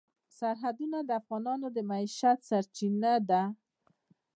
سرحدونه د افغانانو د معیشت سرچینه ده.